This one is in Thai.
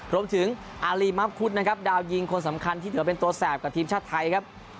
รวมถึงอารีมับคุดนะครับดาวยิงคนสำคัญที่ถือเป็นตัวแสบกับทีมชาติไทยครับ